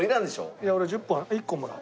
いや俺１０本１個もらおう。